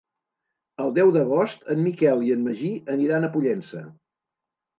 El deu d'agost en Miquel i en Magí aniran a Pollença.